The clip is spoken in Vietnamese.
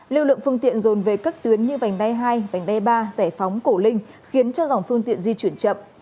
lưu lượng phương tiện dồn về các tuyến như vành đai hai vành đai ba giải phóng cổ linh khiến cho dòng phương tiện di chuyển chậm